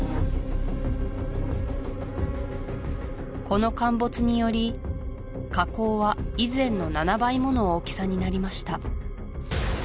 この陥没により火口は以前の７倍もの大きさになりました